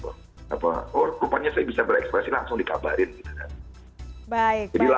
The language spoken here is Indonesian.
oh rupanya saya bisa berekspresi langsung dikabarin gitu kan